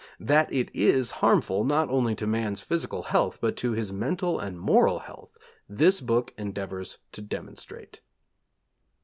That it is harmful, not only to man's physical health, but to his mental and moral health, this book endeavours to demonstrate.